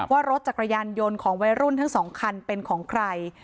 ว่ารถจักรยานยนต์ของวัยรุ่นทั้งสองคันเป็นของใคร